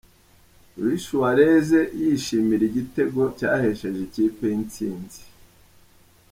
Luis Suarez yishimira igitego cyahesheje ikipe ye intsinzi.